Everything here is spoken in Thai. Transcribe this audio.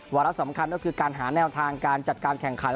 วาระสำคัญก็คือการหาแนวทางการจัดการแข่งขัน